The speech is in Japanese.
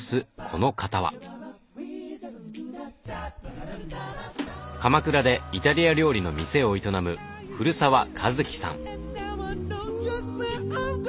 この方は鎌倉でイタリア料理の店を営む古澤一記さん。